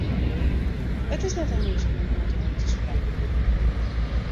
It is net oan ús om in oardiel út te sprekken.